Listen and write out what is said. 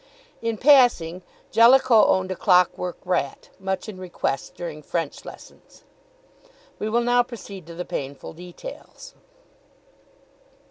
In passing, Jellicoe owned a clock work rat, much in request during French lessons. We will now proceed to the painful details.